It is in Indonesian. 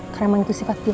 karena menikuti sifat dia